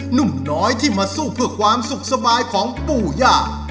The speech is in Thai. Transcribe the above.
หนุ่มน้อยที่มาสู้เพื่อความสุขสบายของปู่ย่า